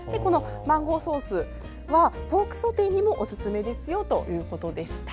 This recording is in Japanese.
マンゴーソースはポークソテーにもおすすめですよということでした。